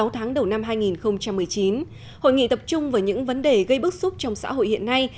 sáu tháng đầu năm hai nghìn một mươi chín hội nghị tập trung vào những vấn đề gây bức xúc trong xã hội hiện nay